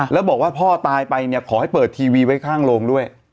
แล้วบอกว่าพ่อตายไปเนี่ยขอให้เปิดทีวีไว้ข้างโรงด้วย